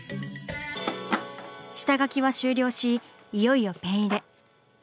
下描きは終了しいよいよペン入れ。